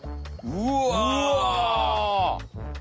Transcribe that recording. うわ。